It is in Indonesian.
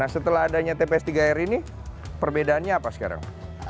setelah adanya tps tiga r ini perbedaannya apa sekarang